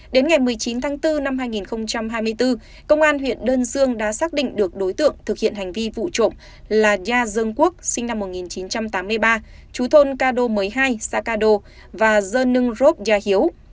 đến ngày một mươi chín tháng bốn năm hai nghìn hai mươi bốn công an huyện đơn dương đã xác định được đối tượng thực hiện hành vi vụ trộm là gia dương quốc sinh năm một nghìn chín trăm tám mươi ba chú thôn cado một mươi hai xã cado và dương nưng rốt gia hiếu